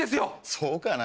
そうかな？